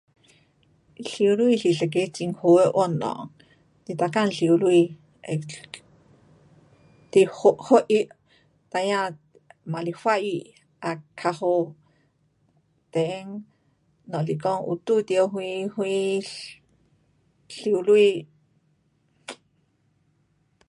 游泳是一个很好的运动。你每天游泳会 um 对发，发育，孩儿也是发育也较好 then 如果说有遇到什什游泳